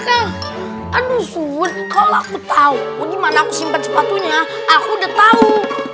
kau aduh suhu kalau aku tahu mau gimana aku simpan sepatunya aku udah tahu